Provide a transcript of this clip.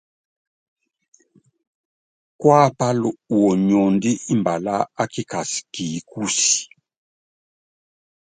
Kuapála woniondí mbalá a kikas ki kúsí.